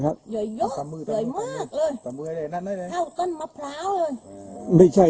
สวัสดีครับ